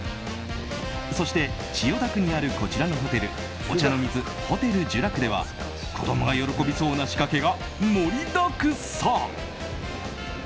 そして、千代田区にあるこちらのホテルお茶の水ホテルジュラクでは子供が喜びそうな仕掛けが盛りだくさん。